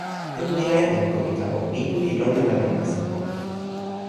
tenpo ni la, jan Kowinta o, mi tu li lon ala lon nasin pona.